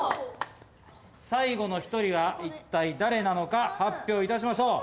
最後の１人は一体誰なのか発表いたしましょう。